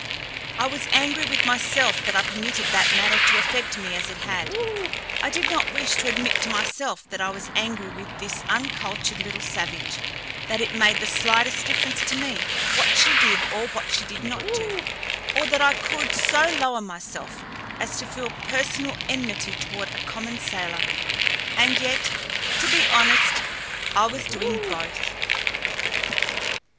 I was angry with myself that I permitted that matter to affect me as it had. I did not wish to admit to myself that I was angry with this uncultured little savage, that it made the slightest difference to me what she did or what she did not do, or that I could so lower myself as to feel personal enmity towards a common sailor. And yet, to be honest, I was doing both.